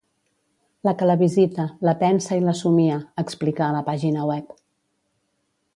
La que la visita, la pensa i la somia, explica a la pàgina web.